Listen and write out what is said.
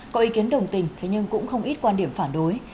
có ý kiến đồng tình thế nhưng cũng không ít quan điểm phản đối